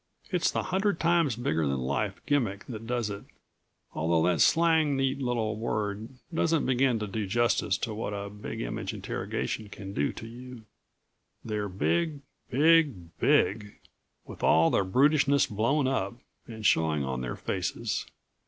It's the hundred times bigger than life gimmick that does it, although that slang neat little word doesn't begin to do justice to what a Big Image interrogation can do to you. They're big, big, BIG, with all the brutishness blown up, and showing on their faces.